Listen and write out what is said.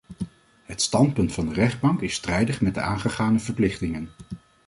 Het standpunt van de rechtbank is strijdig met de aangegane verplichtingen.